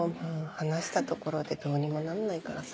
話したところでどうにもなんないからさ。